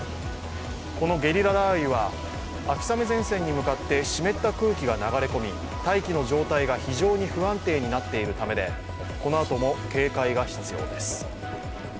このゲリラ雷雨は秋雨前線に向かって湿った空気が流れ込み大気の状態が非常に不安定になっているためでこのあとも警戒が必要です。